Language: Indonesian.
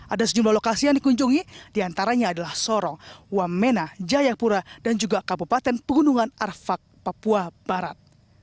ada sejumlah lokasi yang dikunjungi diantaranya adalah sorong wamena jayapura dan juga kabupaten pegunungan arfak papua barat